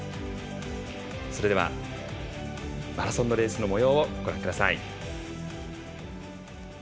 それでは、マラソンのレースのもようをご覧ください。